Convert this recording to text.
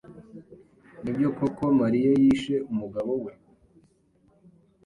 Nibyo koko Mariya yishe umugabo we?